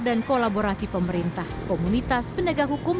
dan kolaborasi pemerintah komunitas penegak hukum